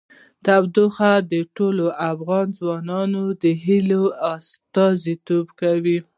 تودوخه د ټولو افغان ځوانانو د هیلو استازیتوب کوي.